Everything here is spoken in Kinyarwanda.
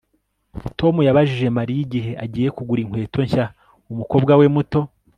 Tom yabajije Mariya igihe agiye kugura inkweto nshya umukobwa we muto